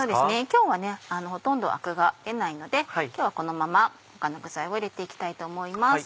今日はほとんどアクが出ないので今日はこのまま他の具材を入れて行きたいと思います。